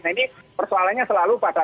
nah ini persoalannya selalu pada